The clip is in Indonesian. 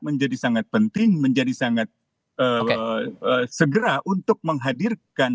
menjadi sangat penting menjadi sangat segera untuk menghadirkan